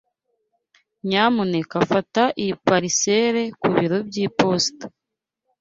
Nyamuneka fata iyi parcelle ku biro by'iposita.